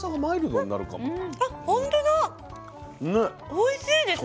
おいしいですね。